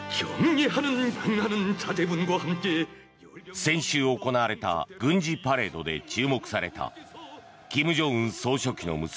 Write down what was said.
先週行われた軍事パレードで注目された金正恩氏の娘